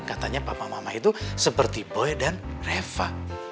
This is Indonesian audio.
katanya papa mama itu seperti boy dan reva